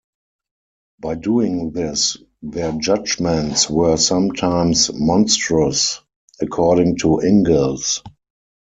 By doing this their judgements were sometimes "monstrous" according to Ingalls.